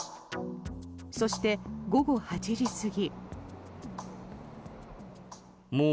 そして、午後８時過ぎ。